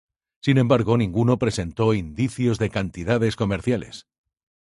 Sin embargo, ninguno presentó indicios de cantidades comerciales.